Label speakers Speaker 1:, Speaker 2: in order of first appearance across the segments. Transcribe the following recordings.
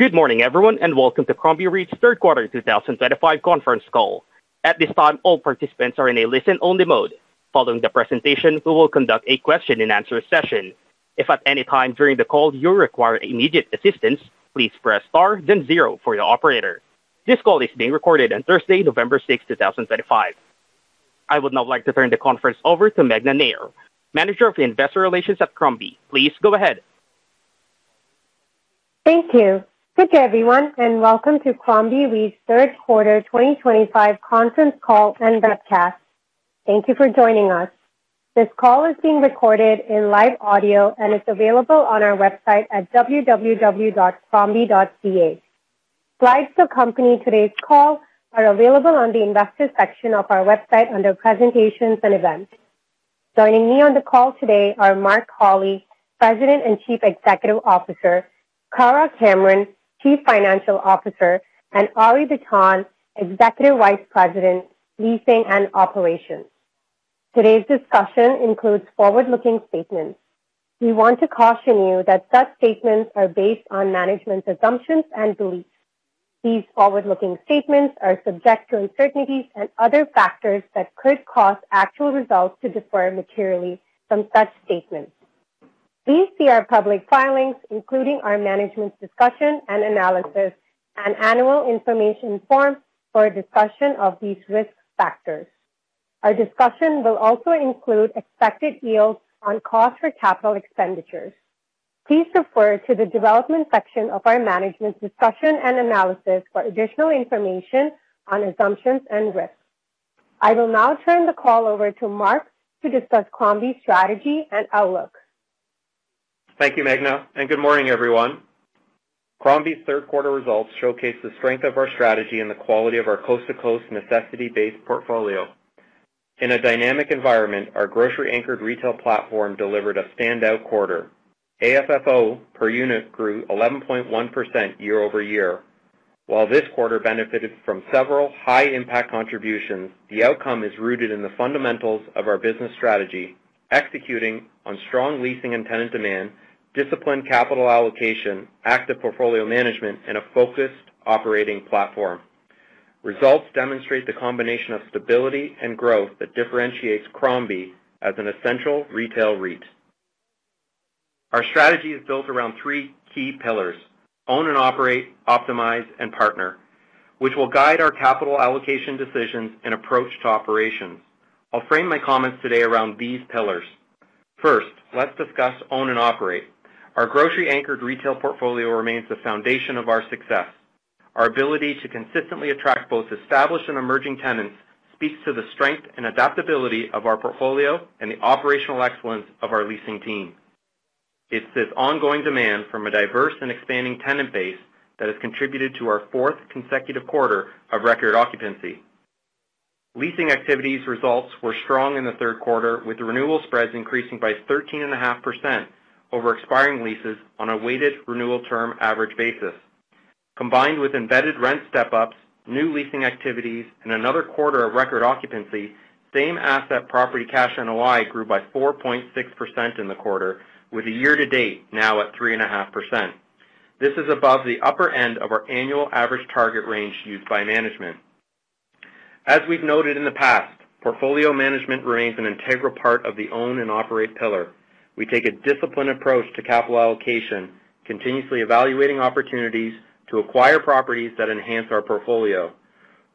Speaker 1: Good morning, everyone, and welcome to Crombie Real Estate Investment Trust's Third Quarter 2025 conference call. At this time, all participants are in a listen-only mode. Following the presentation, we will conduct a question-and-answer session. If at any time during the call you require immediate assistance, please press star, then zero for your operator. This call is being recorded on Thursday, November 6, 2025. I would now like to turn the conference over to Meghna Nair, Manager of Investor Relations at Crombie. Please go ahead.
Speaker 2: Thank you. Good day, everyone, and welcome to Crombie Real Estate Investment Trust's Third Quarter 2025 conference call and webcast. Thank you for joining us. This call is being recorded in live audio and is available on our website at www.crombie.ca. Slides to accompany today's call are available on the investor section of our website under Presentations and Events. Joining me on the call today are Mark Holly, President and Chief Executive Officer; Kara Cameron, Chief Financial Officer; and Arie Bitton, Executive Vice President, Leasing and Operations. Today's discussion includes forward-looking statements. We want to caution you that such statements are based on management's assumptions and beliefs. These forward-looking statements are subject to uncertainties and other factors that could cause actual results to differ materially from such statements. Please see our public filings, including our management's discussion and analysis, and annual information forms for a discussion of these risk factors. Our discussion will also include expected yields on cost or capital expenditures. Please refer to the development section of our management's discussion and analysis for additional information on assumptions and risks. I will now turn the call over to Mark to discuss Crombie's strategy and outlook.
Speaker 3: Thank you, Meghna, and good morning, everyone. Crombie's third-quarter results showcase the strength of our strategy and the quality of our coast-to-coast necessity-based portfolio. In a dynamic environment, our grocery-anchored retail platform delivered a standout quarter. AFFO per unit grew 11.1% year-over-year. While this quarter benefited from several high-impact contributions, the outcome is rooted in the fundamentals of our business strategy: executing on strong leasing and tenant demand, disciplined capital allocation, active portfolio management, and a focused operating platform. Results demonstrate the combination of stability and growth that differentiates Crombie as an essential retail REIT. Our strategy is built around three key pillars: Own and Operate, Optimize, and Partner, which will guide our capital allocation decisions and approach to operations. I'll frame my comments today around these pillars. First, let's discuss Own and Operate. Our grocery-anchored retail portfolio remains the foundation of our success. Our ability to consistently attract both established and emerging tenants speaks to the strength and adaptability of our portfolio and the operational excellence of our leasing team. It is this ongoing demand from a diverse and expanding tenant base that has contributed to our fourth consecutive quarter of record occupancy. Leasing activity's results were strong in the third quarter, with renewal spreads increasing by 13.5% over expiring leases on a weighted renewal term average basis. Combined with embedded rent step-ups, new leasing activities, and another quarter of record occupancy, same-asset property cash NOI grew by 4.6% in the quarter, with a year-to-date now at 3.5%. This is above the upper end of our annual average target range used by management. As we have noted in the past, portfolio management remains an integral part of the Own and Operate pillar. We take a disciplined approach to capital allocation, continuously evaluating opportunities to acquire properties that enhance our portfolio.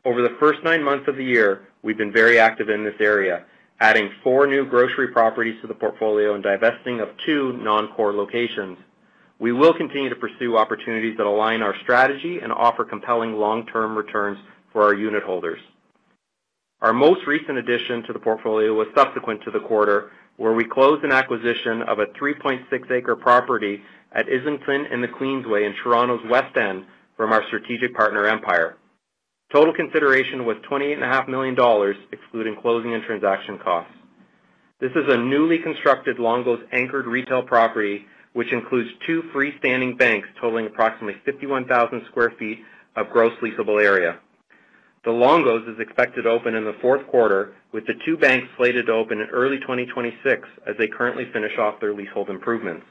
Speaker 3: Over the first nine months of the year, we've been very active in this area, adding four new grocery properties to the portfolio and divesting of two non-core locations. We will continue to pursue opportunities that align our strategy and offer compelling long-term returns for our unit holders. Our most recent addition to the portfolio was subsequent to the quarter, where we closed an acquisition of a 3.6-acre property at Islington in the Queensway in Toronto's West End from our strategic partner Empire. Total consideration was 28.5 million dollars, excluding closing and transaction costs. This is a newly constructed Longo's anchored retail property, which includes two freestanding banks totaling approximately 51,000 sq ft of gross leasable area. The Longo's is expected to open in the fourth quarter, with the two banks slated to open in early 2026 as they currently finish off their leasehold improvements.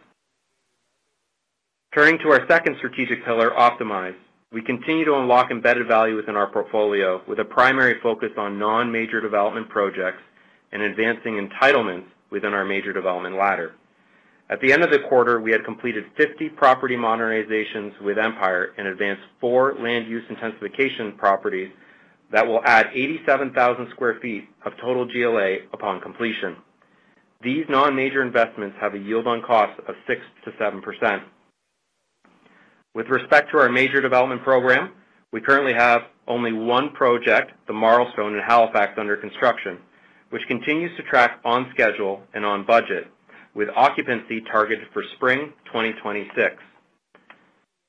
Speaker 3: Turning to our second strategic pillar, optimize, we continue to unlock embedded value within our portfolio with a primary focus on non-major development projects and advancing entitlements within our major development ladder. At the end of the quarter, we had completed 50 property modernizations with Empire and advanced four land use intensification properties that will add 87,000 sq ft of total GLA upon completion. These non-major investments have a yield on cost of 6%-7%. With respect to our major development program, we currently have only one project, the Marlstone in Halifax, under construction, which continues to track on schedule and on budget, with occupancy targeted for spring 2026.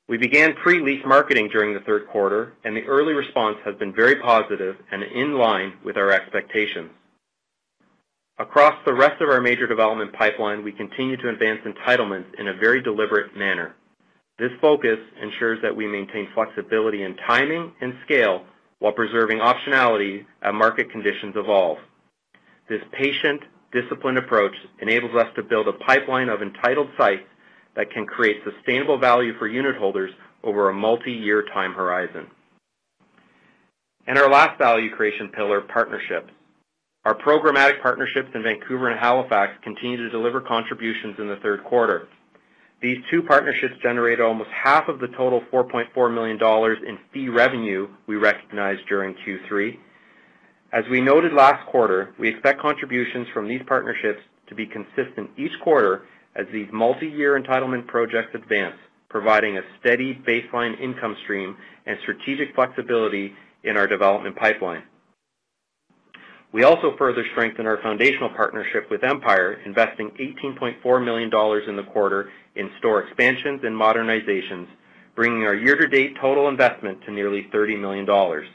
Speaker 3: We began pre-lease marketing during the third quarter, and the early response has been very positive and in line with our expectations. Across the rest of our major development pipeline, we continue to advance entitlements in a very deliberate manner. This focus ensures that we maintain flexibility in timing and scale while preserving optionality as market conditions evolve. This patient, disciplined approach enables us to build a pipeline of entitled sites that can create sustainable value for unit holders over a multi-year time horizon. Our last value creation pillar, partnerships. Our programmatic partnerships in Vancouver and Halifax continue to deliver contributions in the third quarter. These two partnerships generate almost half of the total 4.4 million dollars in fee revenue we recognized during Q3. As we noted last quarter, we expect contributions from these partnerships to be consistent each quarter as these multi-year entitlement projects advance, providing a steady baseline income stream and strategic flexibility in our development pipeline. We also further strengthen our foundational partnership with Empire, investing 18.4 million dollars in the quarter in store expansions and modernizations, bringing our year-to-date total investment to nearly 30 million dollars.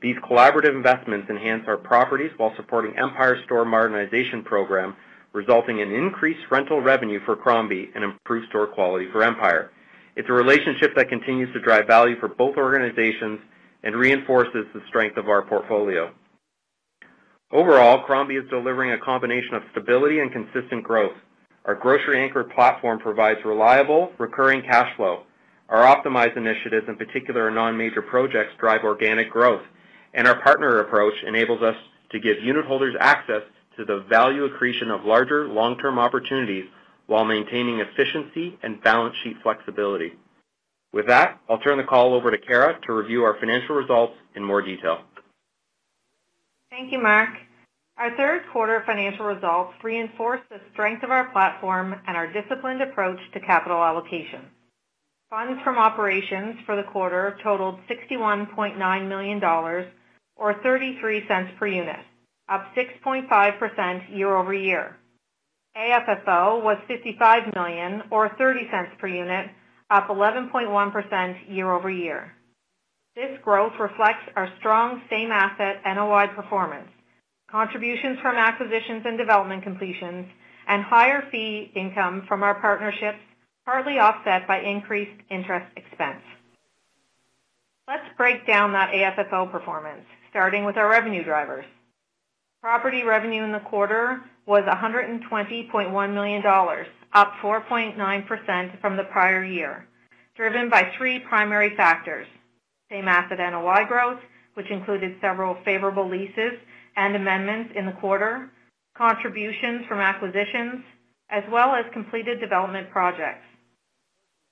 Speaker 3: These collaborative investments enhance our properties while supporting Empire's store modernization program, resulting in increased rental revenue for Crombie and improved store quality for Empire. It's a relationship that continues to drive value for both organizations and reinforces the strength of our portfolio. Overall, Crombie is delivering a combination of stability and consistent growth. Our grocery-anchored platform provides reliable, recurring cash flow. Our optimized initiatives, in particular our non-major projects, drive organic growth, and our partner approach enables us to give unit holders access to the value accretion of larger, long-term opportunities while maintaining efficiency and balance sheet flexibility. With that, I'll turn the call over to Kara to review our financial results in more detail.
Speaker 4: Thank you, Mark. Our third quarter financial results reinforced the strength of our platform and our disciplined approach to capital allocation. Funds from operations for the quarter totaled 61.9 million dollars, or 0.33 per unit, up 6.5% year-over-year. AFFO was 55 million, or 0.30 per unit, up 11.1% year-over-year. This growth reflects our strong same-asset NOI performance, contributions from acquisitions and development completions, and higher fee income from our partnerships, partly offset by increased interest expense. Let's break down that AFFO performance, starting with our revenue drivers. Property revenue in the quarter was 120.1 million dollars, up 4.9% from the prior year, driven by three primary factors: same-asset NOI growth, which included several favorable leases and amendments in the quarter, contributions from acquisitions, as well as completed development projects.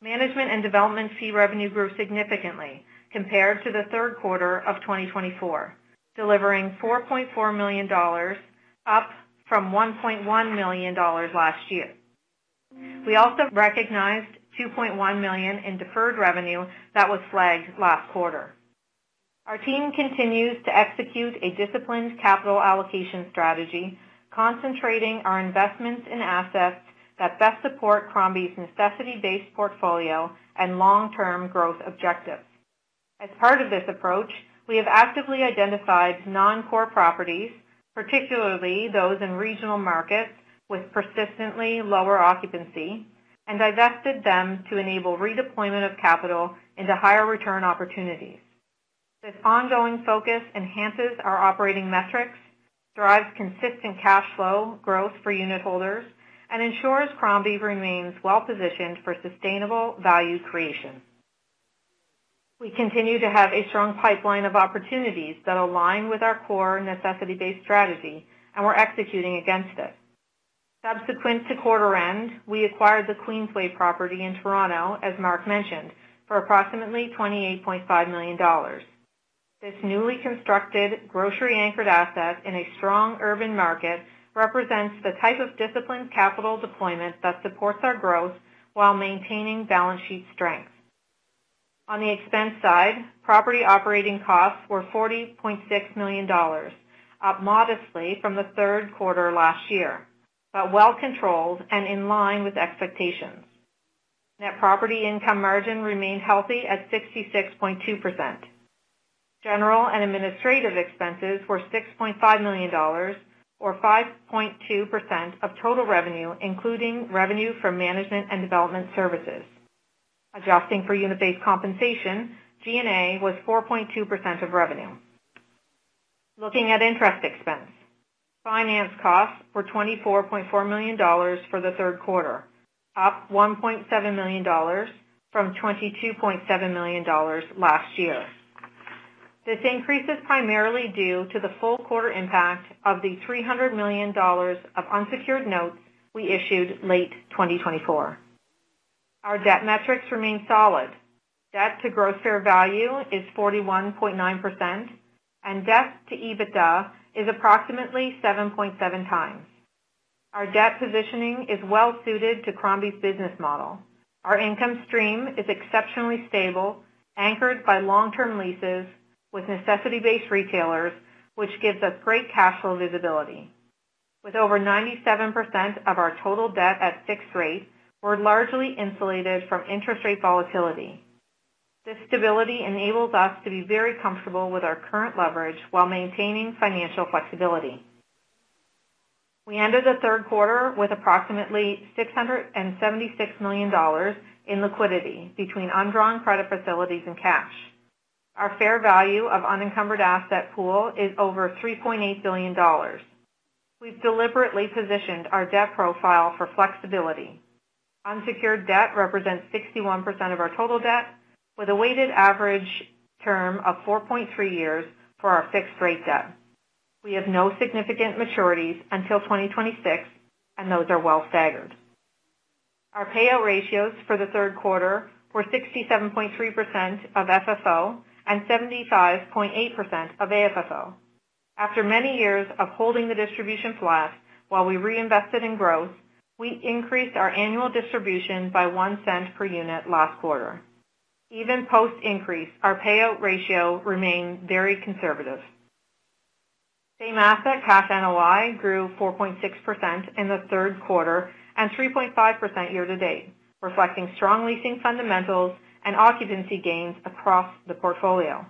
Speaker 4: Management and development fee revenue grew significantly compared to the third quarter of 2024, delivering 4.4 million dollars. Up from 1.1 million dollars last year. We also recognized 2.1 million in deferred revenue that was flagged last quarter. Our team continues to execute a disciplined capital allocation strategy, concentrating our investments in assets that best support Crombie's necessity-based portfolio and long-term growth objectives. As part of this approach, we have actively identified non-core properties, particularly those in regional markets with persistently lower occupancy, and divested them to enable redeployment of capital into higher return opportunities. This ongoing focus enhances our operating metrics, drives consistent cash flow growth for unit holders, and ensures Crombie remains well-positioned for sustainable value creation. We continue to have a strong pipeline of opportunities that align with our core necessity-based strategy, and we're executing against it. Subsequent to quarter end, we acquired the Queensway property in Toronto, as Mark mentioned, for approximately 28.5 million dollars. This newly constructed grocery-anchored asset in a strong urban market represents the type of disciplined capital deployment that supports our growth while maintaining balance sheet strength. On the expense side, property operating costs were 40.6 million dollars, up modestly from the third quarter last year, but well-controlled and in line with expectations. Net property income margin remained healthy at 66.2%. General and administrative expenses were 6.5 million dollars, or 5.2% of total revenue, including revenue from management and development services. Adjusting for unit-based compensation, G&A was 4.2% of revenue. Looking at interest expense, finance costs were 24.4 million dollars for the third quarter, up 1.7 million dollars from 22.7 million dollars last year. This increase is primarily due to the full quarter impact of the 300 million dollars of unsecured notes we issued late 2024. Our debt metrics remain solid. Debt to gross fair value is 41.9%. Debt to EBITDA is approximately 7.7 times. Our debt positioning is well-suited to Crombie's business model. Our income stream is exceptionally stable, anchored by long-term leases with necessity-based retailers, which gives us great cash flow visibility. With over 97% of our total debt at fixed rate, we're largely insulated from interest rate volatility. This stability enables us to be very comfortable with our current leverage while maintaining financial flexibility. We ended the third quarter with approximately 676 million dollars in liquidity between undrawn credit facilities and cash. Our fair value of unencumbered asset pool is over 3.8 billion dollars. We've deliberately positioned our debt profile for flexibility. Unsecured debt represents 61% of our total debt, with a weighted average term of 4.3 years for our fixed-rate debt. We have no significant maturities until 2026, and those are well-staggered. Our payout ratios for the third quarter were 67.3% of FFO and 75.8% of AFFO. After many years of holding the distribution flat while we reinvested in growth, we increased our annual distribution by one cent per unit last quarter. Even post-increase, our payout ratio remained very conservative. same-asset cash NOI grew 4.6% in the third quarter and 3.5% year-to-date, reflecting strong leasing fundamentals and occupancy gains across the portfolio.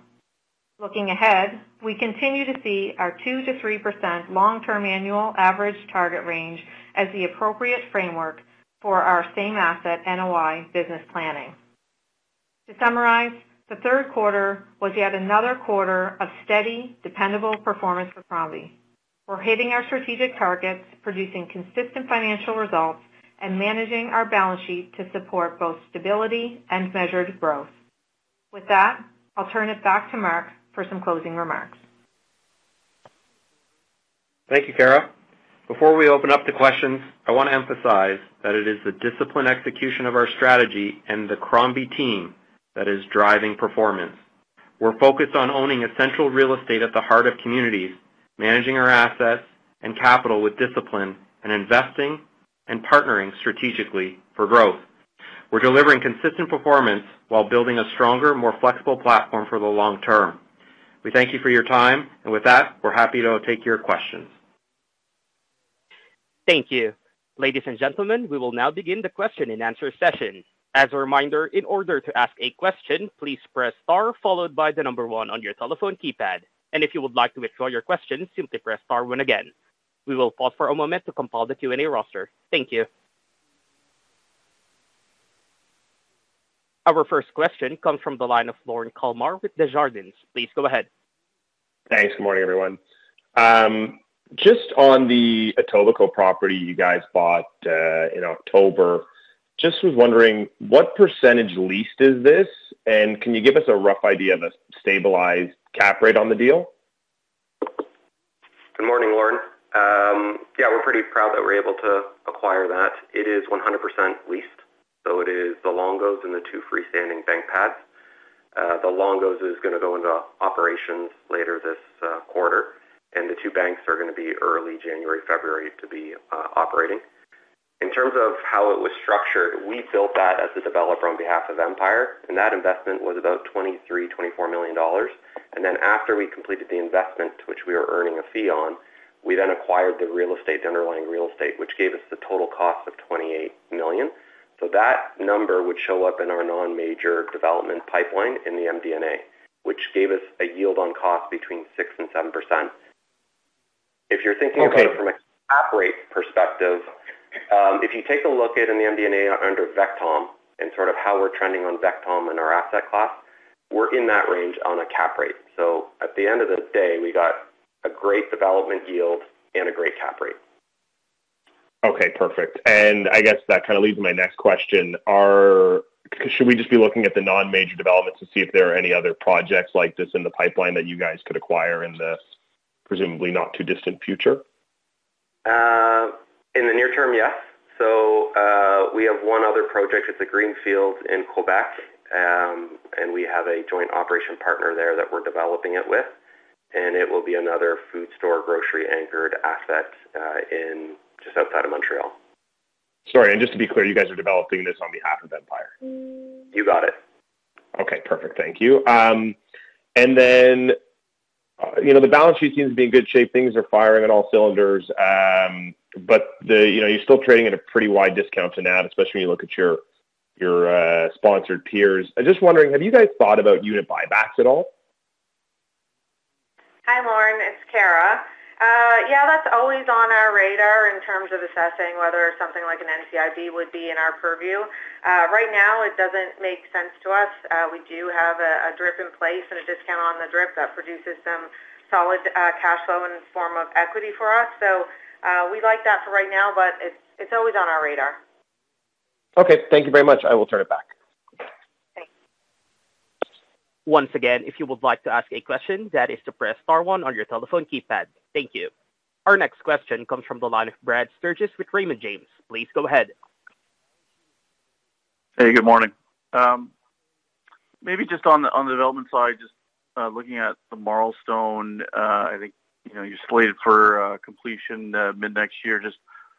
Speaker 4: Looking ahead, we continue to see our 2%-3% long-term annual average target range as the appropriate framework for our same-asset NOI business planning. To summarize, the third quarter was yet another quarter of steady, dependable performance for Crombie. We're hitting our strategic targets, producing consistent financial results, and managing our balance sheet to support both stability and measured growth. With that, I'll turn it back to Mark for some closing remarks.
Speaker 3: Thank you, Kara. Before we open up to questions, I want to emphasize that it is the disciplined execution of our strategy and the Crombie team that is driving performance. We're focused on owning essential real estate at the heart of communities, managing our assets and capital with discipline, and investing and partnering strategically for growth. We're delivering consistent performance while building a stronger, more flexible platform for the long term. We thank you for your time, and with that, we're happy to take your questions.
Speaker 1: Thank you. Ladies and gentlemen, we will now begin the question and answer session. As a reminder, in order to ask a question, please press star followed by the number one on your telephone keypad. If you would like to withdraw your question, simply press star one again. We will pause for a moment to compile the Q&A roster. Thank you. Our first question comes from the line of Lorne Kalmar with Desjardins. Please go ahead.
Speaker 5: Thanks. Good morning, everyone. Just on the Etobicoke property you guys bought in October, just was wondering, what percentage leased is this, and can you give us a rough idea of the stabilized cap rate on the deal?
Speaker 3: Good morning, Lorne. Yeah, we're pretty proud that we're able to acquire that. It is 100% leased, so it is the Longo's and the two freestanding bank pads. The Longo's is going to go into operations later this quarter, and the two banks are going to be early January, February to be operating. In terms of how it was structured, we built that as a developer on behalf of Empire, and that investment was about 23 million-24 million dollars. After we completed the investment, which we were earning a fee on, we then acquired the real estate, the underlying real estate, which gave us the total cost of 28 million. That number would show up in our non-major development pipeline in the MD&A, which gave us a yield on cost between 6%-7%. If you're thinking about it from a cap rate perspective, if you take a look at in the MD&A under VECTOM and sort of how we're trending on VECTOM and our asset class, we're in that range on a cap rate. At the end of the day, we got a great development yield and a great cap rate.
Speaker 5: Okay, perfect. I guess that kind of leads to my next question. Should we just be looking at the non-major developments to see if there are any other projects like this in the pipeline that you guys could acquire in the presumably not too distant future?
Speaker 3: In the near term, yes. We have one other project. It is a greenfield in Quebec. We have a joint operation partner there that we are developing it with. It will be another food store grocery-anchored asset just outside of Montreal.
Speaker 5: Sorry, and just to be clear, you guys are developing this on behalf of Empire?
Speaker 3: You got it.
Speaker 5: Okay, perfect. Thank you. The balance sheet seems to be in good shape. Things are firing on all cylinders. You're still trading at a pretty wide discount to NAV, especially when you look at your sponsored peers. I'm just wondering, have you guys thought about unit buybacks at all?
Speaker 4: Hi, Lorne. It's Kara. Yeah, that's always on our radar in terms of assessing whether something like an NCIB would be in our purview. Right now, it doesn't make sense to us. We do have a DRIP in place and a discount on the DRIP that produces some solid cash flow in the form of equity for us. We like that for right now, but it's always on our radar.
Speaker 5: Okay, thank you very much. I will turn it back.
Speaker 4: Thanks.
Speaker 1: Once again, if you would like to ask a question, that is to press star one on your telephone keypad. Thank you. Our next question comes from the line of Brad Sturges with Raymond James. Please go ahead.
Speaker 6: Hey, good morning. Maybe just on the development side, just looking at the milestone, I think you just slated for completion mid-next year. Just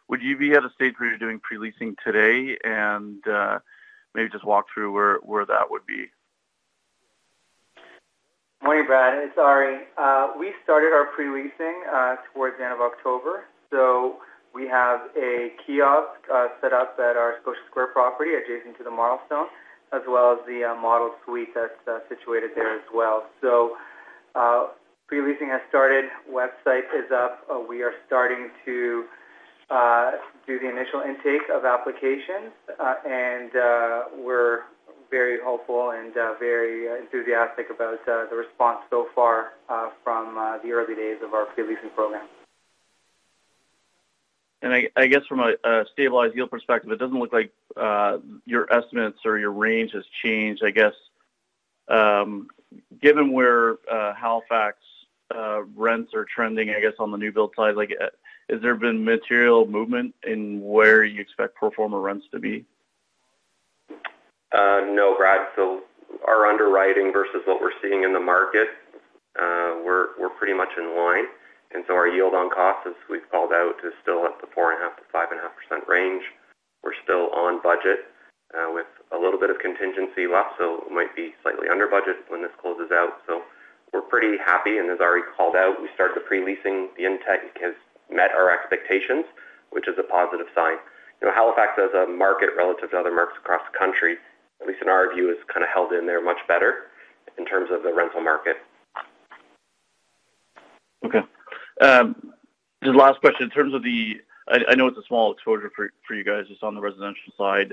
Speaker 6: would you be at a stage where you're doing pre-leasing today, and maybe just walk through where that would be?
Speaker 7: Morning, Brad. Sorry. We started our pre-leasing towards the end of October. We have a kiosk set up at our Scotia Square property adjacent to the Marlstone, as well as the model suite that's situated there as well. Pre-leasing has started. The website is up. We are starting to do the initial intake of applications, and we're very hopeful and very enthusiastic about the response so far from the early days of our pre-leasing program.
Speaker 6: I guess from a stabilized yield perspective, it does not look like your estimates or your range has changed. I guess, given where Halifax rents are trending, on the new build side, has there been material movement in where you expect pro forma rents to be?
Speaker 3: No, Brad. Our underwriting versus what we are seeing in the market, we are pretty much in line. Our yield on cost, as we have called out, is still at the 4.5%-5.5% range. We are still on budget with a little bit of contingency left, so it might be slightly under budget when this closes out. We are pretty happy, and as Ari called out, we started the pre-leasing. The intake has met our expectations, which is a positive sign. Halifax, as a market relative to other markets across the country, at least in our view, has kind of held in there much better in terms of the rental market.
Speaker 6: Okay. Just last question. In terms of the—I know it's a small exposure for you guys just on the residential side.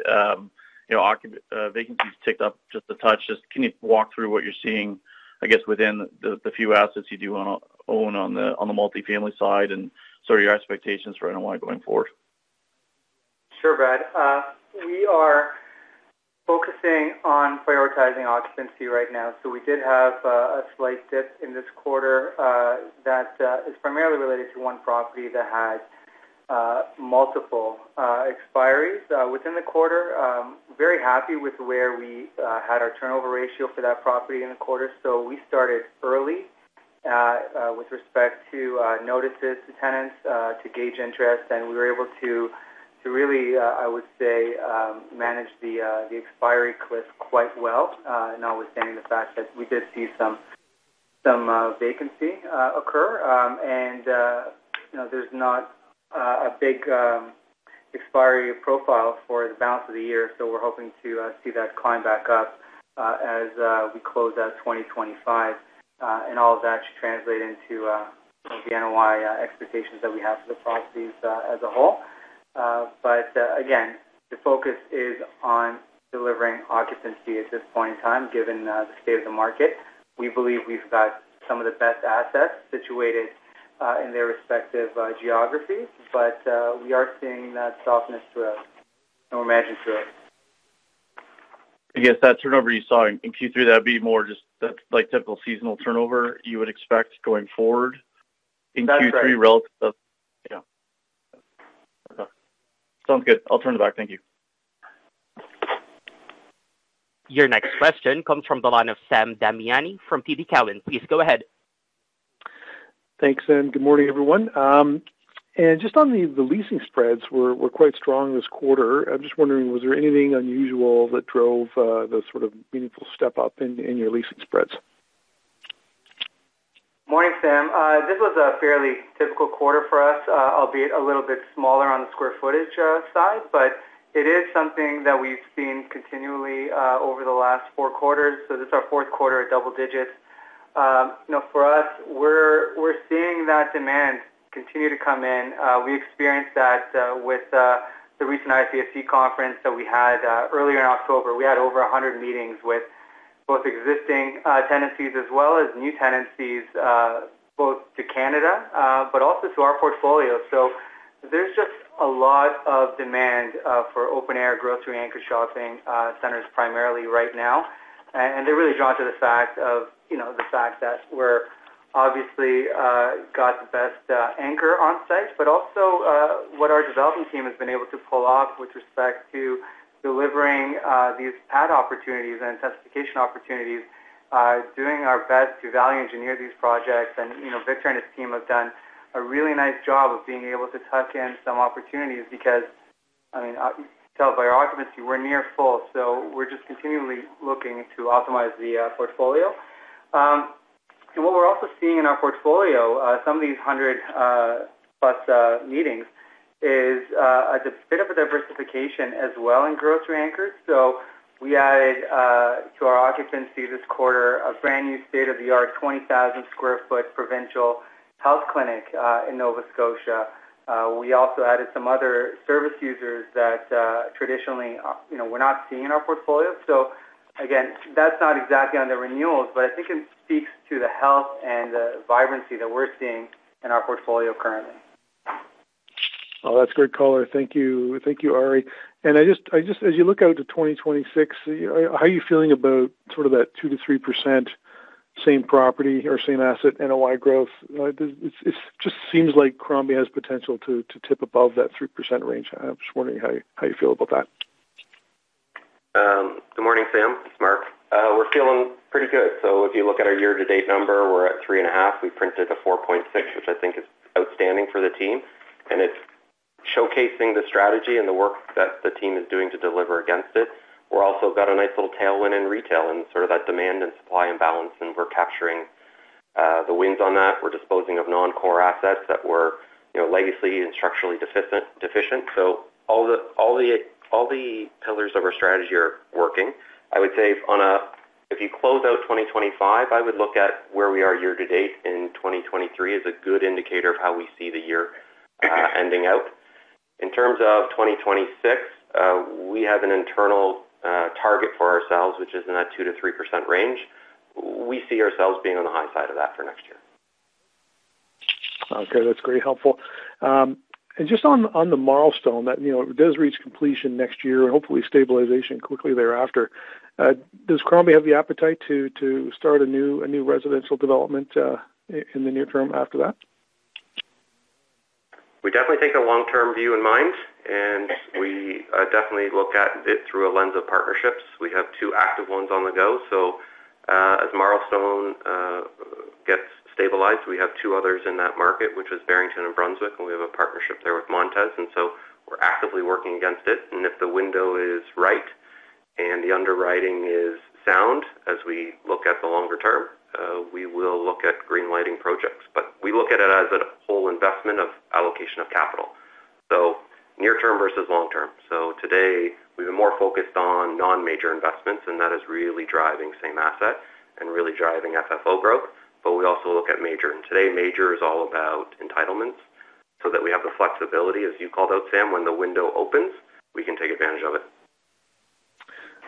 Speaker 6: Vacancies ticked up just a touch. Just can you walk through what you're seeing, I guess, within the few assets you do own on the multifamily side and sort of your expectations for NOI going forward?
Speaker 7: Sure, Brad. We are focusing on prioritizing occupancy right now. We did have a slight dip in this quarter that is primarily related to one property that had multiple expiries within the quarter. Very happy with where we had our turnover ratio for that property in the quarter. We started early with respect to notices to tenants to gauge interest. We were able to, really, I would say, manage the expiry cliff quite well, notwithstanding the fact that we did see some vacancy occur. There is not a big expiry profile for the balance of the year. We are hoping to see that climb back up as we close out 2025. All of that should translate into the NOI expectations that we have for the properties as a whole. The focus is on delivering occupancy at this point in time, given the state of the market. We believe we've got some of the best assets situated in their respective geographies, but we are seeing that softness through and we're managing through it.
Speaker 6: I guess that turnover you saw in Q3, that would be more just that typical seasonal turnover you would expect going forward. In Q3 relative to—yeah. Okay. Sounds good. I'll turn it back. Thank you.
Speaker 1: Your next question comes from the line of Sam Damiani from TD Cowen. Please go ahead.
Speaker 8: Thanks, Sam. Good morning, everyone. Just on the leasing spreads, they were quite strong this quarter. I'm just wondering, was there anything unusual that drove the sort of meaningful step up in your leasing spreads?
Speaker 7: Morning, Sam. This was a fairly typical quarter for us, albeit a little bit smaller on the square footage side, but it is something that we've seen continually over the last four quarters. This is our fourth quarter at double digits. For us, we're seeing that demand continue to come in. We experienced that with the recent ICSC conference that we had earlier in October. We had over 100 meetings with both existing tenancies as well as new tenancies, both to Canada, but also to our portfolio. There is just a lot of demand for open-air grocery-anchored shopping centers primarily right now. They are really drawn to the fact that we're obviously. Got the best anchor on site, but also what our development team has been able to pull off with respect to delivering these pad opportunities and intensification opportunities, doing our best to value engineer these projects. Victor and his team have done a really nice job of being able to tuck in some opportunities because, I mean, you can tell by our occupancy, we're near full. We are just continually looking to optimize the portfolio. What we're also seeing in our portfolio, some of these hundred-plus meetings, is a bit of a diversification as well in grocery anchors. We added to our occupancy this quarter a brand new state-of-the-art 20,000 sq ft provincial health clinic in Nova Scotia. We also added some other service users that traditionally we're not seeing in our portfolio. Again, that's not exactly on the renewals, but I think it speaks to the health and the vibrancy that we're seeing in our portfolio currently.
Speaker 8: Oh, that's great, Kara. Thank you, Arie. Just as you look out to 2026, how are you feeling about sort of that 2%-3% same property or same-asset NOI growth? It just seems like Crombie has potential to tip above that 3% range. I'm just wondering how you feel about that.
Speaker 3: Good morning, Sam. It's Mark. We're feeling pretty good. If you look at our year-to-date number, we're at 3.5. We've printed a 4.6, which I think is outstanding for the team. It's showcasing the strategy and the work that the team is doing to deliver against it. We've also got a nice little tailwind in retail and sort of that demand and supply imbalance, and we're capturing the wins on that. We're disposing of non-core assets that were legacy and structurally deficient. All the pillars of our strategy are working. I would say if you close out 2025, I would look at where we are year-to-date in 2023 as a good indicator of how we see the year ending out. In terms of 2026, we have an internal target for ourselves, which is in that 2%-3% range. We see ourselves being on the high side of that for next year.
Speaker 8: Okay, that's great. Helpful. Just on the milestone, that it does reach completion next year and hopefully stabilization quickly thereafter, does Crombie have the appetite to start a new residential development in the near term after that?
Speaker 3: We definitely take a long-term view in mind, and we definitely look at it through a lens of partnerships. We have two active ones on the go. As Marlstone gets stabilized, we have two others in that market, which is Barrington and Brunswick, and we have a partnership there with Montes. We are actively working against it. If the window is right and the underwriting is sound as we look at the longer term, we will look at greenlighting projects. We look at it as a whole investment of allocation of capital, near-term versus long-term. Today, we have been more focused on non-major investments, and that is really driving same asset and really driving FFO growth. We also look at major. Today, major is all about entitlements so that we have the flexibility, as you called out, Sam, when the window opens, we can take advantage of it.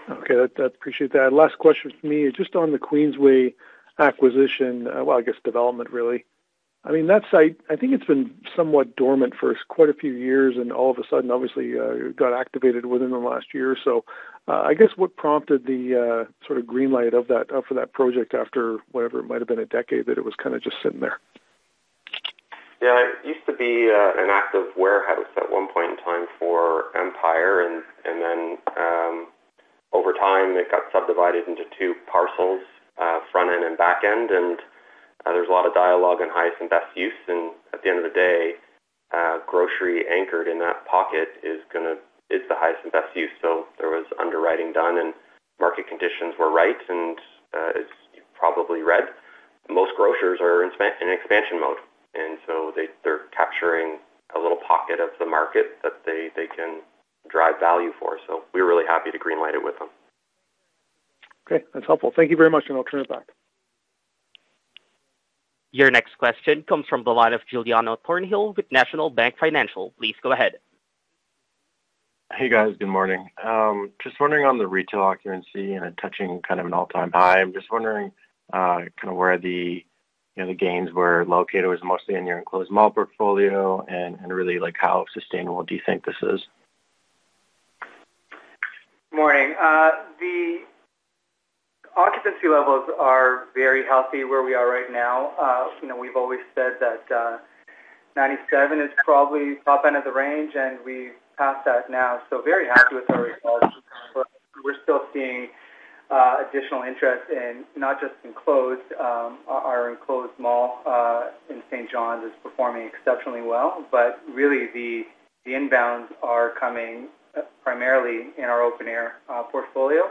Speaker 6: Okay, I appreciate that. Last question for me. Just on the Queensway acquisition, well, I guess development, really. I mean, that site, I think it's been somewhat dormant for quite a few years, and all of a sudden, obviously, it got activated within the last year. I guess what prompted the sort of greenlight for that project after whatever it might have been a decade that it was kind of just sitting there?
Speaker 3: Yeah, it used to be an active warehouse at one point in time for Empire. Then, over time, it got subdivided into two parcels, front end and back end. There is a lot of dialogue and highest and best use. At the end of the day, grocery-anchored in that pocket is the highest and best use. There was underwriting done, and market conditions were right. As you've probably read, most grocers are in expansion mode, and they are capturing a little pocket of the market that they can drive value for. We are really happy to greenlight it with them.
Speaker 6: Okay, that's helpful. Thank you very much, and I'll turn it back.
Speaker 1: Your next question comes from the line of Giuliano Thornhill with National Bank Financial. Please go ahead.
Speaker 9: Hey, guys. Good morning. Just wondering on the retail occupancy and touching kind of an all-time high. I'm just wondering kind of where the gains were located. It was mostly in your enclosed mall portfolio. And really, how sustainable do you think this is?
Speaker 7: Good morning. Occupancy levels are very healthy where we are right now. We've always said that 97% is probably top end of the range, and we've passed that now. Very happy with our results. We're still seeing additional interest in not just enclosed. Our enclosed mall in St. John's is performing exceptionally well, but really, the inbounds are coming primarily in our open-air portfolio.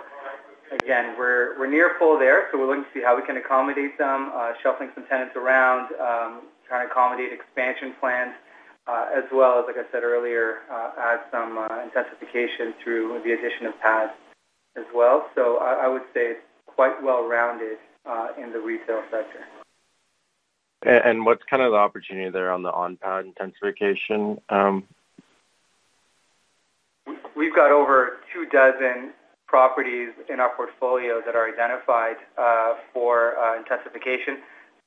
Speaker 7: Again, we're near full there, so we're looking to see how we can accommodate them, shuffling some tenants around. Trying to accommodate expansion plans, as well as, like I said earlier, add some intensification through the addition of pads as well. I would say it's quite well-rounded in the retail sector.
Speaker 9: What is kind of the opportunity there on the on-pad intensification?
Speaker 7: We've got over two dozen properties in our portfolio that are identified for intensification.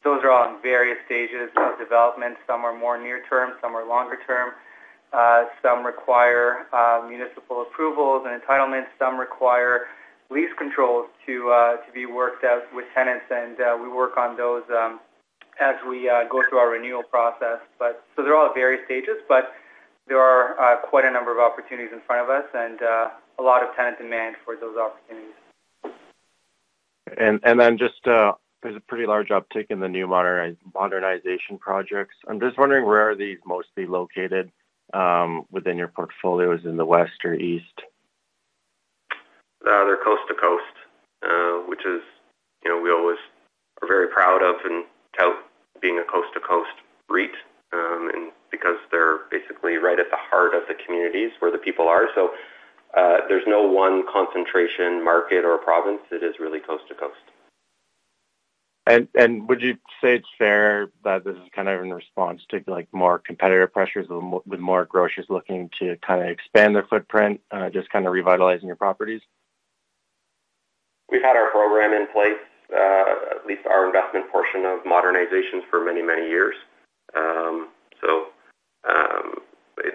Speaker 7: Those are in various stages of development. Some are more near-term. Some are longer-term. Some require municipal approvals and entitlements. Some require lease controls to be worked out with tenants. We work on those as we go through our renewal process. They are all at various stages, but there are quite a number of opportunities in front of us and a lot of tenant demand for those opportunities.
Speaker 9: There is a pretty large uptick in the new modernization projects. I'm just wondering, where are these mostly located? Within your portfolios in the west or east?
Speaker 3: They're coast to coast, which we always are very proud of and tout being a coast-to-coast REIT because they're basically right at the heart of the communities where the people are. There is no one concentration market or province. It is really coast to coast.
Speaker 9: Would you say it's fair that this is kind of in response to more competitive pressures with more grocers looking to kind of expand their footprint, just kind of revitalizing your properties?
Speaker 3: We've had our program in place, at least our investment portion of modernization, for many, many years.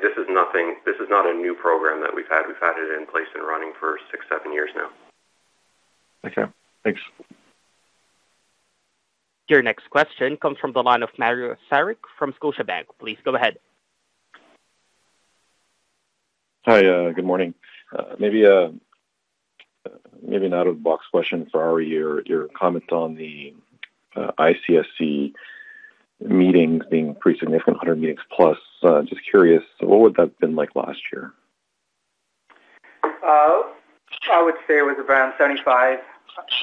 Speaker 3: This is not a new program that we've had. We've had it in place and running for six, seven years now.
Speaker 9: Okay. Thanks.
Speaker 1: Your next question comes from the line of Mario Saric from Scotiabank. Please go ahead.
Speaker 10: Hi, good morning. Maybe an out-of-the-box question for Arie, your comment on the ICSC meetings being pretty significant, 100 meetings plus. Just curious, what would that have been like last year?
Speaker 7: I would say it was around 75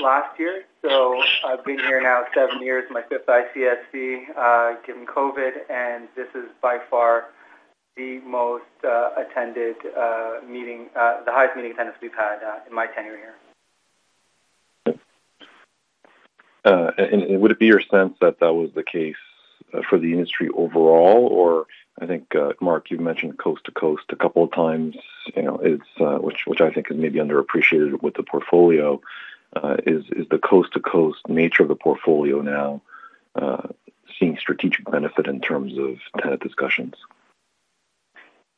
Speaker 7: last year. I have been here now seven years, my fifth ICSC, given COVID, and this is by far the most attended meeting, the highest meeting attendance we have had in my tenure here.
Speaker 10: Would it be your sense that that was the case for the industry overall? I think, Mark, you have mentioned coast to coast a couple of times, which I think is maybe underappreciated with the portfolio. Is the coast-to-coast nature of the portfolio now seeing strategic benefit in terms of tenant discussions?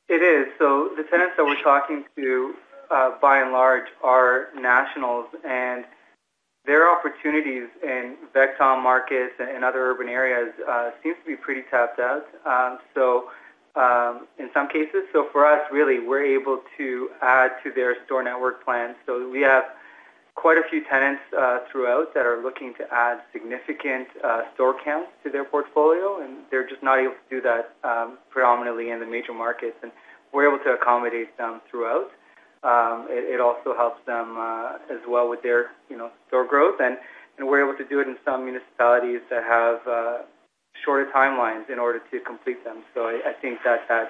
Speaker 7: It is. The tenants that we're talking to, by and large, are nationals. Their opportunities in Vecta Markets and other urban areas seem to be pretty tapped out in some cases. For us, really, we're able to add to their store network plan. We have quite a few tenants throughout that are looking to add significant store counts to their portfolio, and they're just not able to do that predominantly in the major markets. We're able to accommodate them throughout. It also helps them as well with their store growth. We're able to do it in some municipalities that have shorter timelines in order to complete them. I think that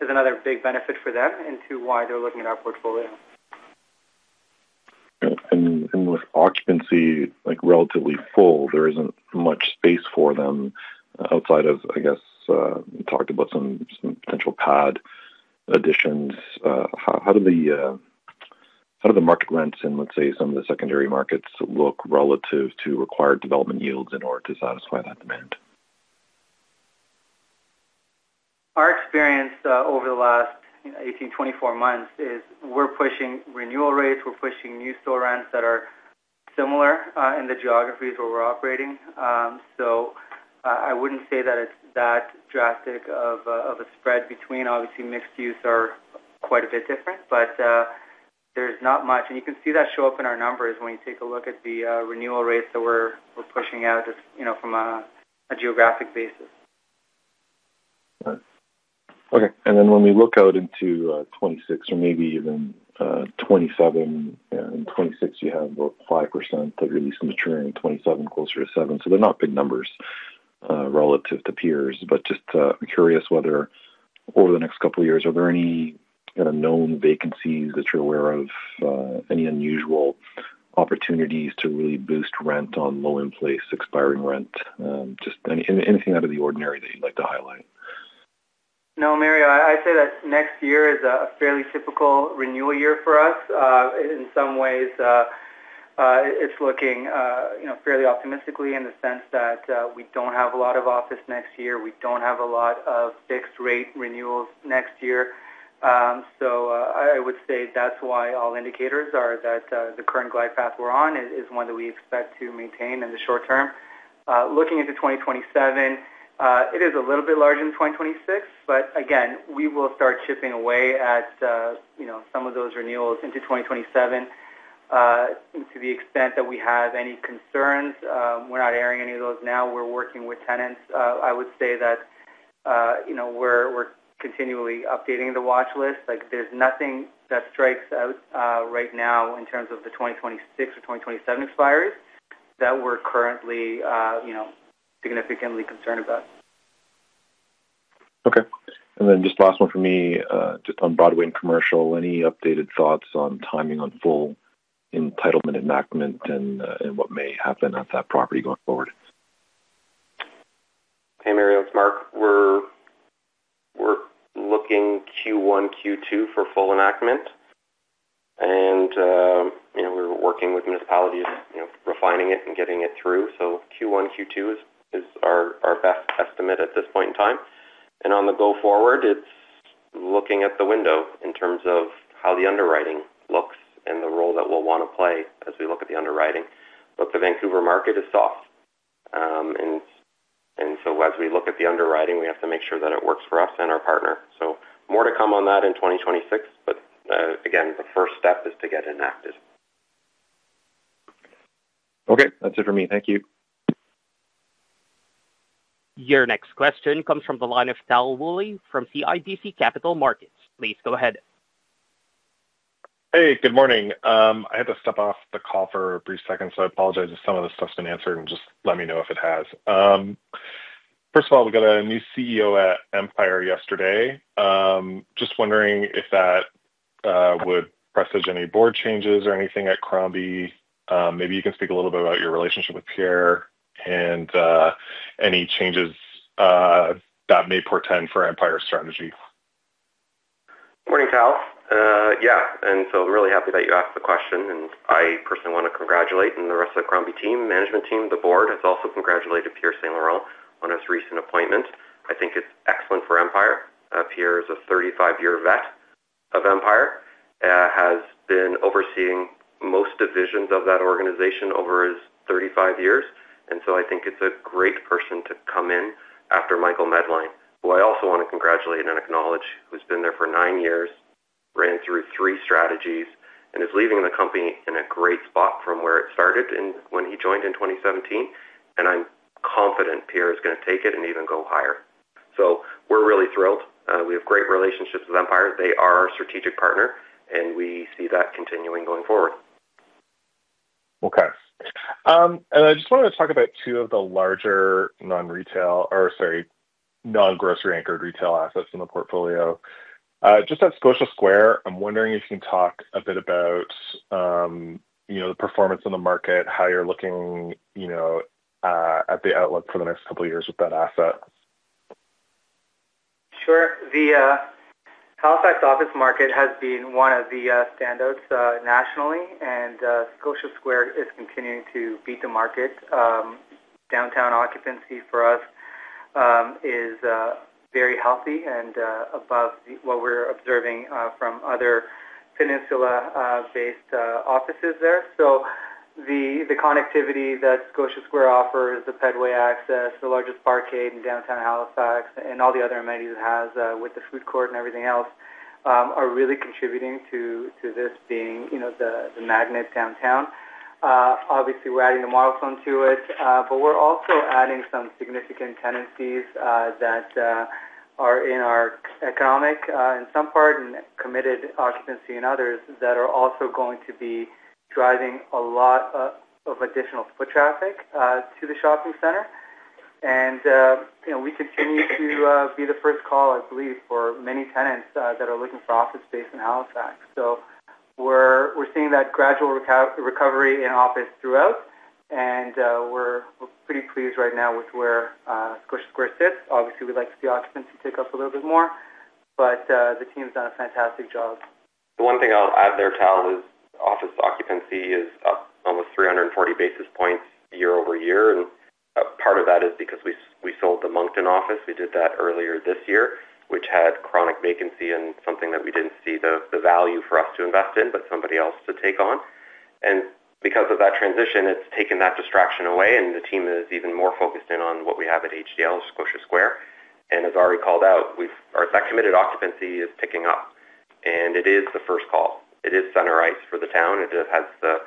Speaker 7: is another big benefit for them into why they're looking at our portfolio.
Speaker 10: With occupancy relatively full, there is not much space for them outside of, I guess, we talked about some potential pad additions. How do the market rents and, let's say, some of the secondary markets look relative to required development yields in order to satisfy that demand?
Speaker 7: Our experience over the last 18, 24 months is we're pushing renewal rates. We're pushing new store rents that are similar in the geographies where we're operating. I wouldn't say that it's that drastic of a spread between. Obviously, mixed use are quite a bit different, but there's not much. You can see that show up in our numbers when you take a look at the renewal rates that we're pushing out from a geographic basis.
Speaker 10: Okay. When we look out into 2026 or maybe even 2027, in 2026, you have about 5% that are at least maturing. In 2027, closer to 7%. They are not big numbers relative to peers, but just curious whether over the next couple of years, are there any known vacancies that you are aware of, any unusual opportunities to really boost rent on low in-place, expiring rent, just anything out of the ordinary that you would like to highlight?
Speaker 7: No, Mario, I'd say that next year is a fairly typical renewal year for us. In some ways, it's looking fairly optimistically in the sense that we don't have a lot of office next year. We don't have a lot of fixed-rate renewals next year. I would say that's why all indicators are that the current glide path we're on is one that we expect to maintain in the short term. Looking into 2027, it is a little bit larger than 2026, but again, we will start chipping away at some of those renewals into 2027. To the extent that we have any concerns, we're not airing any of those now. We're working with tenants. I would say that we're continually updating the watch list. There's nothing that strikes out right now in terms of the 2026 or 2027 expiry that we're currently significantly concerned about.
Speaker 10: Okay. And then just last one for me, just on Broadway and commercial, any updated thoughts on timing on full entitlement enactment and what may happen at that property going forward?
Speaker 3: Hey, Mario, it's Mark. We're looking Q1, Q2 for full enactment. We're working with municipalities refining it and getting it through. Q1, Q2 is our best estimate at this point in time. On the go forward, it's looking at the window in terms of how the underwriting looks and the role that we'll want to play as we look at the underwriting. The Vancouver market is soft. As we look at the underwriting, we have to make sure that it works for us and our partner. More to come on that in 2026. The first step is to get enacted.
Speaker 10: Okay. That's it for me. Thank you.
Speaker 1: Your next question comes from the line of Tal Woolley from CIBC Capital Markets. Please go ahead.
Speaker 11: Hey, good morning. I had to step off the call for a brief second, so I apologize if some of this stuff's been answered. Just let me know if it has. First of all, we got a new CEO at Empire yesterday. Just wondering if that would press any board changes or anything at Crombie. Maybe you can speak a little bit about your relationship with Pierre and any changes that may portend for Empire's strategy.
Speaker 3: Morning, Tal. Yeah. I'm really happy that you asked the question. I personally want to congratulate the rest of the Crombie team, management team, the board. I'd also congratulate Pierre St-Laurent on his recent appointment. I think it's excellent for Empire. Pierre is a 35-year vet of Empire. Has been overseeing most divisions of that organization over his 35 years. I think it's a great person to come in after Michael Medline, who I also want to congratulate and acknowledge, who's been there for nine years, ran through three strategies, and is leaving the company in a great spot from where it started when he joined in 2017. I'm confident Pierre is going to take it and even go higher. We're really thrilled. We have great relationships with Empire. They are our strategic partner, and we see that continuing going forward.
Speaker 11: Okay. I just wanted to talk about two of the larger non-retail or, sorry, non-grocery anchored retail assets in the portfolio. Just at Scotia Square, I'm wondering if you can talk a bit about the performance in the market, how you're looking at the outlook for the next couple of years with that asset.
Speaker 7: Sure. The Halifax office market has been one of the standouts nationally, and Scotia Square is continuing to beat the market. Downtown occupancy for us is very healthy and above what we're observing from other peninsula-based offices there. The connectivity that Scotia Square offers, the Pedway access, the largest barcade in downtown Halifax, and all the other amenities it has with the food court and everything else are really contributing to this being the magnet downtown. Obviously, we're adding the milestone to it, but we're also adding some significant tenancies that are in our economic in some part and committed occupancy in others that are also going to be driving a lot of additional foot traffic to the shopping center. We continue to be the first call, I believe, for many tenants that are looking for office space in Halifax. We're seeing that gradual recovery in office throughout, and we're pretty pleased right now with where Scotia Square sits. Obviously, we'd like to see occupancy take up a little bit more, but the team's done a fantastic job.
Speaker 3: The one thing I'll add there, Tal, is office occupancy is up almost 340 basis points year-over-year. Part of that is because we sold the Moncton office. We did that earlier this year, which had chronic vacancy and something that we didn't see the value for us to invest in, but somebody else to take on. Because of that transition, it's taken that distraction away, and the team is even more focused in on what we have at HDL Scotia Square. As Arie called out, our committed occupancy is ticking up. It is the first call. It is center heights for the town. It has the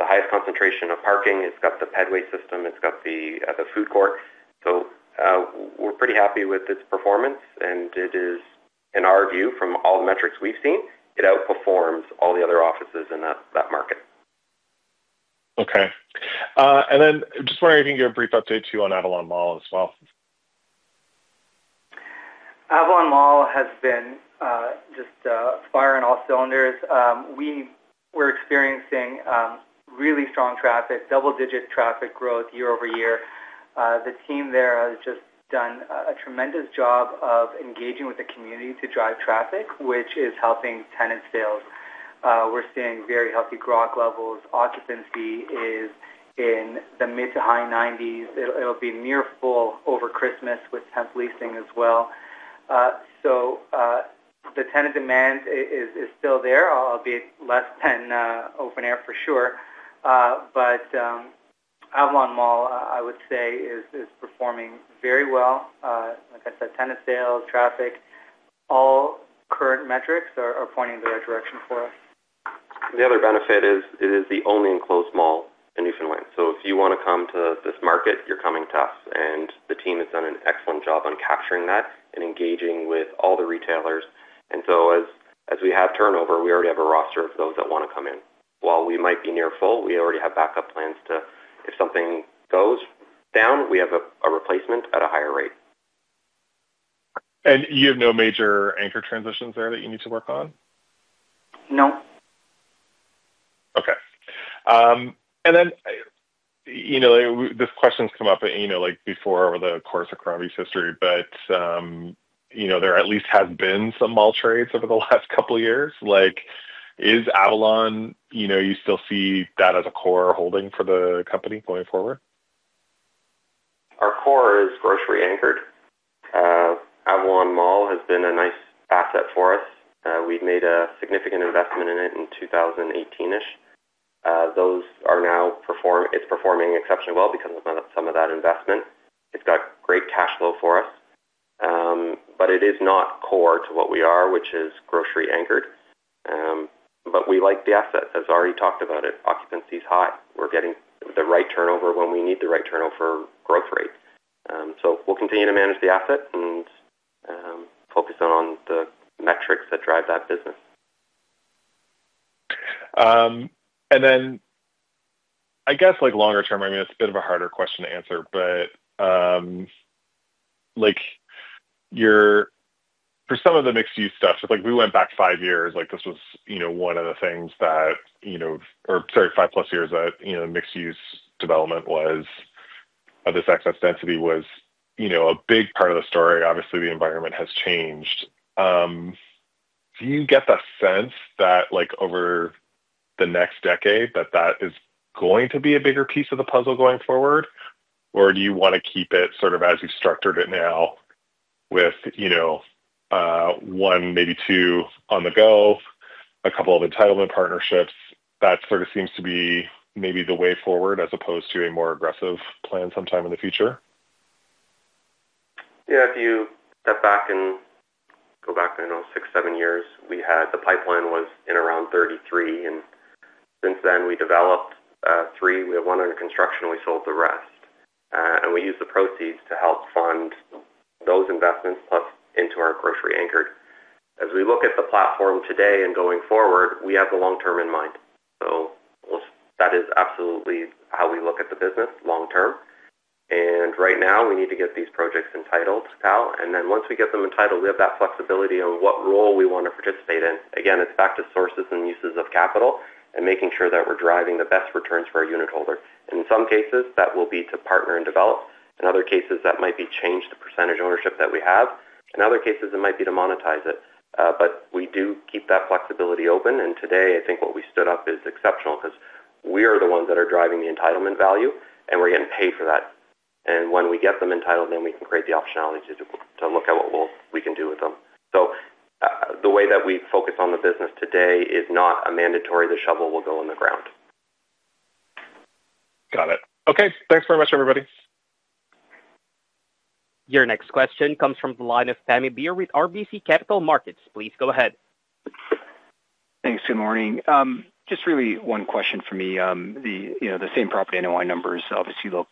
Speaker 3: highest concentration of parking. It's got the Pedway system. It's got the food court. We're pretty happy with its performance. It is, in our view, from all the metrics we've seen, it outperforms all the other offices in that market.
Speaker 11: Okay. Just wondering if you can give a brief update to you on Avalon Mall as well.
Speaker 7: Avalon Mall has been just firing all cylinders. We're experiencing really strong traffic, double-digit traffic growth year over year. The team there has just done a tremendous job of engaging with the community to drive traffic, which is helping tenant sales. We're seeing very healthy GLA levels. Occupancy is in the mid to high 90%. It'll be near full over Christmas with temp leasing as well. The tenant demand is still there, albeit less than open air for sure. Avalon Mall, I would say, is performing very well. Like I said, tenant sales, traffic. All current metrics are pointing in the right direction for us.
Speaker 3: The other benefit is it is the only enclosed mall in Newfoundland. If you want to come to this market, you're coming to us. The team has done an excellent job on capturing that and engaging with all the retailers. As we have turnover, we already have a roster of those that want to come in. While we might be near full, we already have backup plans to, if something goes down, we have a replacement at a higher rate.
Speaker 11: You have no major anchor transitions there that you need to work on?
Speaker 7: No.
Speaker 11: Okay. This question's come up before over the course of Crombie's history, but there at least has been some mall trades over the last couple of years. Is Avalon, you still see that as a core holding for the company going forward?
Speaker 3: Our core is grocery anchored. Avalon Mall has been a nice asset for us. We've made a significant investment in it in 2018-ish. Those are now performing. It's performing exceptionally well because of some of that investment. It's got great cash flow for us. It is not core to what we are, which is grocery anchored. We like the asset. As Arie talked about it, occupancy is high. We're getting the right turnover when we need the right turnover growth rate. We'll continue to manage the asset and focus on the metrics that drive that business.
Speaker 11: I guess longer term, I mean, it's a bit of a harder question to answer, but for some of the mixed-use stuff, we went back five years. This was one of the things that, or sorry, five plus years that mixed-use development was, this excess density was a big part of the story. Obviously, the environment has changed. Do you get the sense that over the next decade, that that is going to be a bigger piece of the puzzle going forward? Or do you want to keep it sort of as you've structured it now with one, maybe two on the go, a couple of entitlement partnerships? That sort of seems to be maybe the way forward as opposed to a more aggressive plan sometime in the future.
Speaker 3: Yeah. If you step back and go back, I know six, seven years, the pipeline was in around 33. Since then, we developed three. We have one under construction. We sold the rest. We use the proceeds to help fund those investments plus into our grocery-anchored. As we look at the platform today and going forward, we have the long term in mind. That is absolutely how we look at the business long term. Right now, we need to get these projects entitled, Tal. Once we get them entitled, we have that flexibility on what role we want to participate in. Again, it is back to sources and uses of capital and making sure that we are driving the best returns for our unit holder. In some cases, that will be to partner and develop. In other cases, that might be to change the % ownership that we have. In other cases, it might be to monetize it. We do keep that flexibility open. Today, I think what we stood up is exceptional because we are the ones that are driving the entitlement value, and we're getting paid for that. When we get them entitled, then we can create the optionality to look at what we can do with them. The way that we focus on the business today is not a mandatory; the shovel will go in the ground.
Speaker 12: Got it. Okay. Thanks very much, everybody.
Speaker 1: Your next question comes from the line of Pammi Bir with RBC Capital Markets. Please go ahead.
Speaker 13: Thanks. Good morning. Just really one question for me. The same property NOI numbers obviously look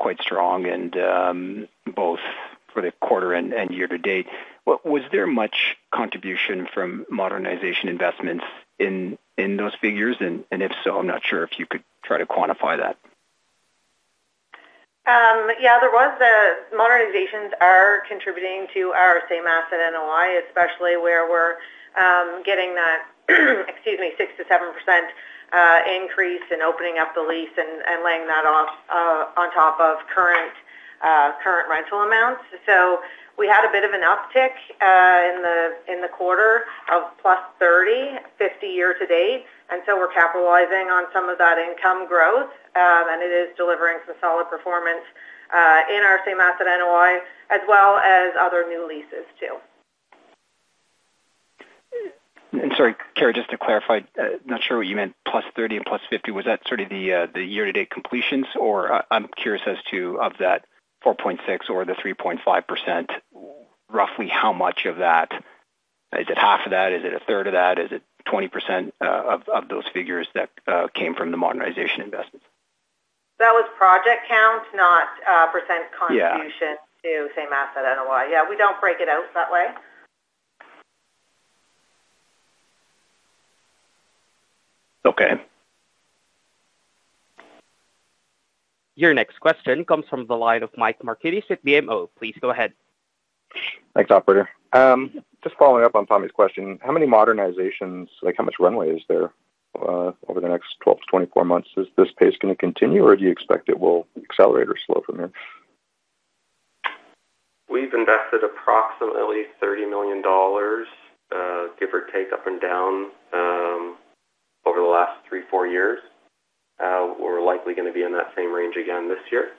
Speaker 13: quite strong, both for the quarter and year to date. Was there much contribution from modernization investments in those figures? If so, I'm not sure if you could try to quantify that.
Speaker 4: Yeah. The modernizations are contributing to our same-asset NOI, especially where we're getting that, excuse me, 6%-7%. Increase in opening up the lease and laying that off on top of current rental amounts. We had a bit of an uptick in the quarter of plus 30, 50 years to date. We are capitalizing on some of that income growth, and it is delivering some solid performance in our same-asset NOI as well as other new leases too.
Speaker 13: Sorry, Kara, just to clarify, not sure what you meant. Plus 30 and plus 50, was that sort of the year-to-date completions? I'm curious as to, of that 4.6% or the 3.5%, roughly how much of that? Is it half of that? Is it a third of that? Is it 20% of those figures that came from the modernization investments?
Speaker 4: That was project count, not percent contribution to same-asset NOI. Yeah. We do not break it out that way.
Speaker 13: Okay.
Speaker 1: Your next question comes from the line of Mike Markidis at BMO. Please go ahead.
Speaker 14: Thanks, operator. Just following up on Pammi's question, how many modernizations, how much runway is there over the next 12 to 24 months? Is this pace going to continue, or do you expect it will accelerate or slow from here?
Speaker 3: We've invested approximately 30 million dollars, give or take up and down, over the last three, four years. We're likely going to be in that same range again this year.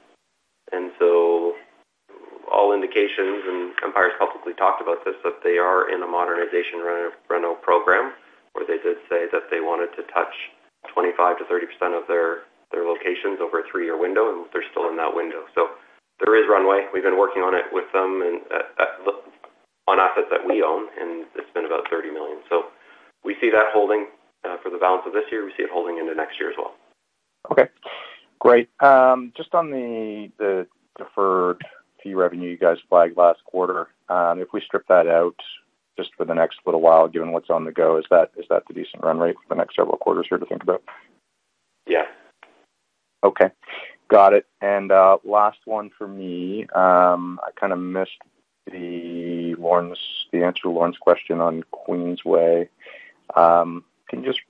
Speaker 3: All indications, and Empire's publicly talked about this, that they are in a modernization rental program where they did say that they wanted to touch 25%-30% of their locations over a three-year window, and they're still in that window. There is runway. We've been working on it with them on assets that we own, and it's been about 30 million. We see that holding for the balance of this year. We see it holding into next year as well.
Speaker 14: Okay. Great. Just on the deferred fee revenue you guys flagged last quarter, if we strip that out just for the next little while, given what's on the go, is that the decent run rate for the next several quarters here to think about?
Speaker 3: Yeah.
Speaker 14: Okay. Got it. Last one for me. I kind of missed the answer to Lorne's question on Queensway. Can you just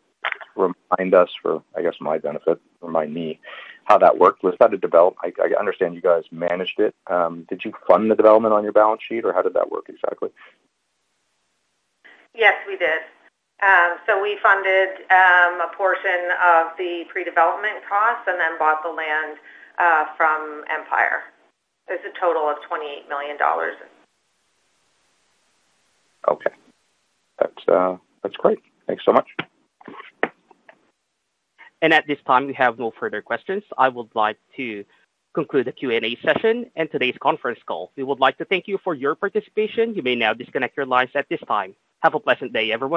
Speaker 14: remind us for, I guess, my benefit, remind me how that worked? Was that a development? I understand you guys managed it. Did you fund the development on your balance sheet, or how did that work exactly?
Speaker 4: Yes, we did. We funded a portion of the pre-development costs and then bought the land from Empire. It is a total of CAD 28 million.
Speaker 14: Okay. That's great. Thanks so much.
Speaker 1: At this time, we have no further questions. I would like to conclude the Q&A session and today's conference call. We would like to thank you for your participation. You may now disconnect your lines at this time. Have a pleasant day, everyone.